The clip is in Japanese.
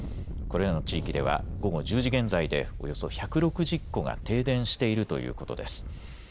これらの地域では午後１０時現在でおよそ１６０戸が停電しているということです。